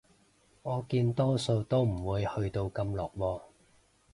我見多數都唔會去到咁落喎